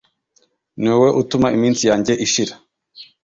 niwowe utuma iminsi yanjye ishira